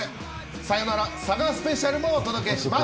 さよなら佐賀スペシャルもお送りします。